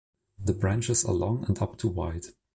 The branches are long and up to wide.